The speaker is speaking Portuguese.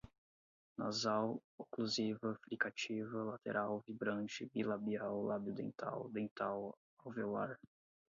Nasal, oclusiva, fricativa, lateral, vibrante, bilabial, labio-dental, dental, alveolar